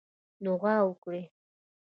دعا وکړئ